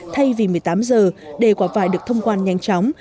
thay vì một mươi tám giờ để quả vải được thông quan nhanh chóng